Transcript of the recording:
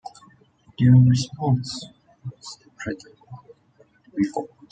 Their response was to threaten revolt.